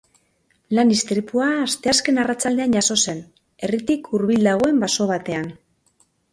Lan-istripua asteazken arratsaldean jazo zen, herritik hurbil dagoen baso batean.